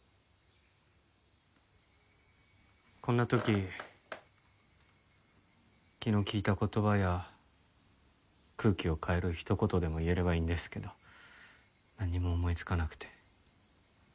こんな時気の利いた言葉や空気を変える一言でも言えればいいんですけどなんにも思いつかなくて。